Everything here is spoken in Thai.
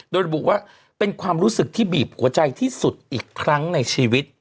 โดยระบุว่าเป็นความรู้สึกที่บีบหัวใจที่สุดอีกครั้งในชีวิต